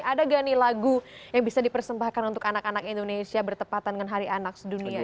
ada gak nih lagu yang bisa dipersembahkan untuk anak anak indonesia bertepatan dengan hari anak sedunia